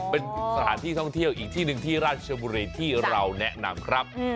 เป็นสถานที่ท่องเที่ยวอีกที่หนึ่งที่ราชบุรีที่เราแนะนำครับ